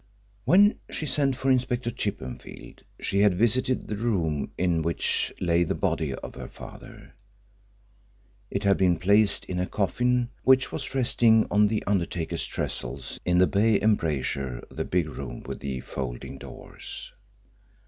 When she sent for Inspector Chippenfield she had visited the room in which lay the body of her father. It had been placed in a coffin which was resting on the undertaker's trestles in the bay embrasure of the big room with the folding doors.